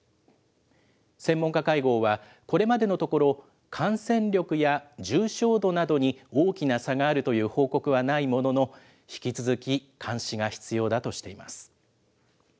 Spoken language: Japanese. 専門家会合は、これまでのところ、感染力や重症度などに大きな差があるという報告はないものの、引き続き、監視が必要だとしています。